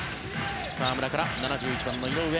河村から７１番の井上。